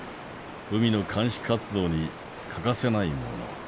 海の監視活動に欠かせないもの。